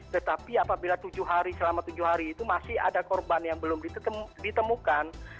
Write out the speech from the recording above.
tetapi apabila tujuh hari selama tujuh hari itu masih ada korban yang belum ditemukan